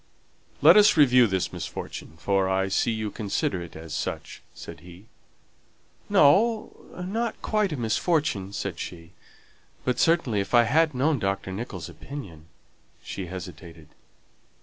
"Let us review this misfortune, for I see you consider it as such," said he. "No, not quite a misfortune," said she. "But, certainly, if I had known Dr. Nicholls' opinion " she hesitated.